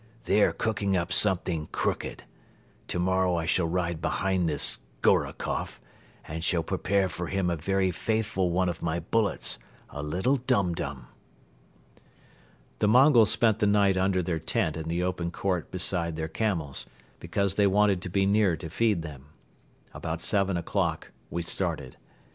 "They are cooking up something crooked. Tomorrow I shall ride behind this Gorokoff and shall prepare for him a very faithful one of my bullets, a little dum dum." The Mongols spent the night under their tent in the open court beside their camels, because they wanted to be near to feed them. About seven o'clock we started.